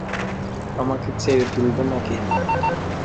আমাকে চেড়ে তুলবে নাকি?